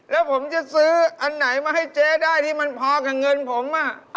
แล้วผมจะซื้ออันไหนมาให้เจ๊ได้ที่มันพอกับเงินผม